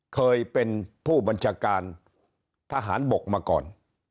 เคยเป็นผู้บัญชาการทหารบกมาก่อน